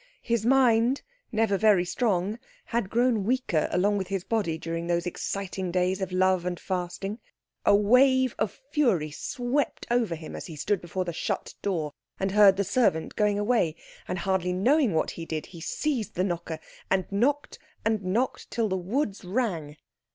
His mind, never very strong, had grown weaker along with his body during these exciting days of love and fasting. A wave of fury swept over him as he stood before the shut door and heard the servant going away; and hardly knowing what he did, he seized the knocker, and knocked and knocked till the woods rang.